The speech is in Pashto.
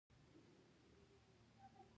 تل شنه نباتات څه ځانګړتیا لري؟